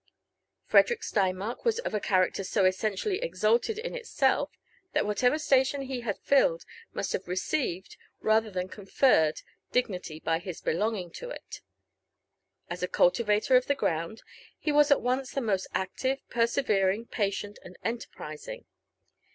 Frederick Steinmark was of a character so essentially exalted in itself, that whatever station he had filled must have received father than conferred dignity by his belonging to it. As a cultivator of the ground, he was at once the most active, persevering, patient, and enterprising.